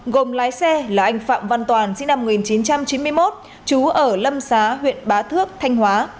gồm lái xe là anh phạm văn toàn sinh năm một nghìn chín trăm chín mươi một chú ở lâm xá huyện bá thước thanh hóa